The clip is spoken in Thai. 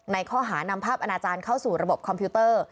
ข้อหานำภาพอนาจารย์เข้าสู่ระบบคอมพิวเตอร์